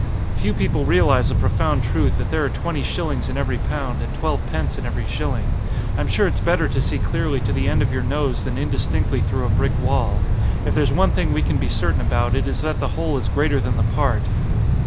"Few people realise the profound truth that there are twenty shillings in every pound and twelve pence in every shilling. I'm sure it's better to see clearly to the end of your nose than indis tinctly through a brick wall. If there's one thing we can be certain about it is that the whole is greater than the part."